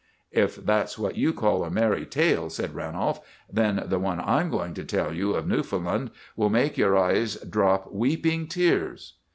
'" "If that's what you call a merry tale," said Ranolf, "then the one I'm going to tell you of Newfoundland will make your eyes drop 'weeping tears.